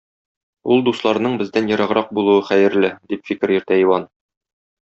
Ул дусларның бездән ераграк булуы хәерле, - дип фикер йөртә Иван.